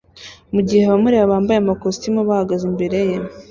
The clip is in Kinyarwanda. mugihe abamureba bambaye amakositimu bahagaze imbere ye